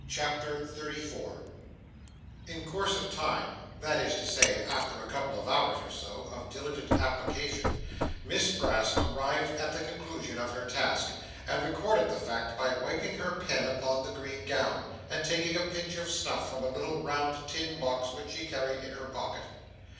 CHAPTER 34 In course of time, that is to say, after a couple of hours or so, of diligent application, Miss Brass arrived at the conclusion of her task, and recorded the fact by wiping her pen upon the green gown, and taking a pinch of snuff from a little round tin box which she carried in her pocket.